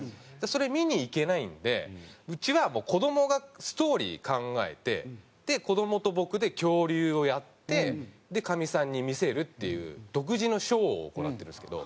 それ見に行けないんでうちは子供がストーリー考えて子供と僕で恐竜をやってかみさんに見せるっていう独自のショーを行なってるんですけど。